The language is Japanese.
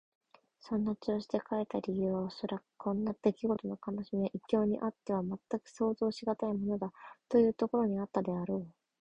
そんな調子で書いた理由はおそらく、こんなできごとの悲しみは異郷にあってはまったく想像しがたいものだ、というところにあったのであろう。